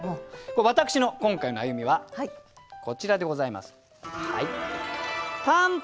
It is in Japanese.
私の今回の歩みはこちらでございます。